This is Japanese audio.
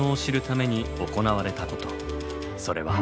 それは。